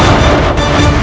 aku harus mengejar orang ini